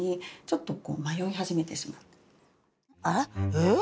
えっ？